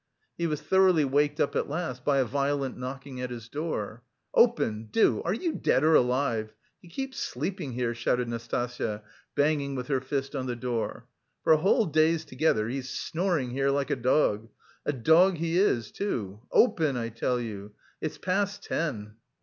He was thoroughly waked up at last by a violent knocking at his door. "Open, do, are you dead or alive? He keeps sleeping here!" shouted Nastasya, banging with her fist on the door. "For whole days together he's snoring here like a dog! A dog he is too. Open I tell you. It's past ten."